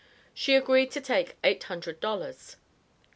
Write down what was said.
She agreed to take eight hundred dollars.